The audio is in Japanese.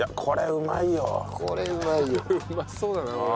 うまそうだなこれ。